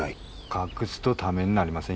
隠すとためになりませんよ。